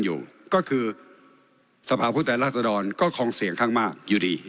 อยู่ก็คือสภาพุธรรศดอนก็คงเสี่ยงทั้งมากอยู่ดี